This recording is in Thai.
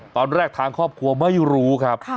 ตอนแรกทางครอบครัวไม่รู้ครับ